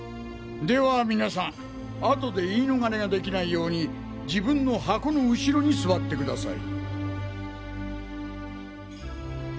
ではみなさん後で言いのがれが出来ないように自分の箱の後ろに座ってください。